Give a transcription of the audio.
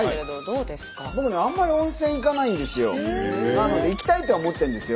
なので行きたいとは思ってるんですよ。